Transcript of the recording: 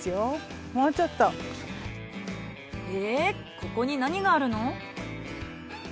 ここに何があるの？